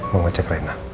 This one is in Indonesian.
mau ngecek rena